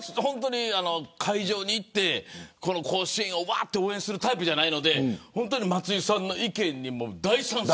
会場に行って甲子園を応援するタイプじゃないので松井さんの意見に大賛成。